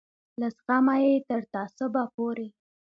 له زغمه یې تر تعصبه پورې.